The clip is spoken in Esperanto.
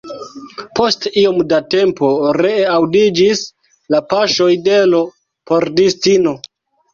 Post iom da tempo ree aŭdiĝis la paŝoj de l' pordistino.